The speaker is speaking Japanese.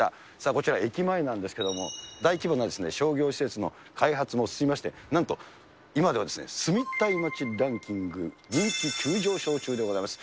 こちら駅前なんですけれども、大規模な商業施設の開発も進みまして、なんと今では、住みたい街ランキング人気急上昇中でございます。